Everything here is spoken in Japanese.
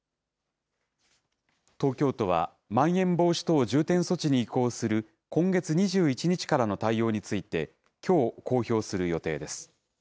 東京都は、まん延防止等重点措置に移行する今月２１日からの対応について、きょう公表する予定です。